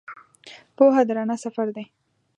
پوهه د رڼا سفر دی.